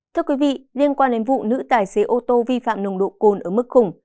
thưa quý vị liên quan đến vụ nữ tài xế ô tô vi phạm nồng độ cồn ở mức khủng